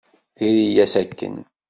Diri-yas akken.